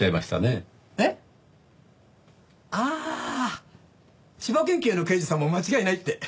えっ？ああ千葉県警の刑事さんも間違いないって。